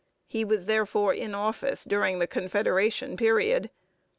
He was therefore in office during the Confederation period.